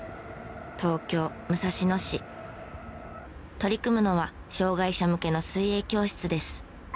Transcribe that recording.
取り組むのは障害者向けの水泳教室です。